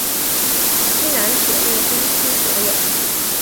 西南铁路公司所有。